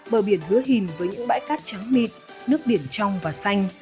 bờ biển hứa hìn với những bãi cát trắng mịt nước biển trong và xanh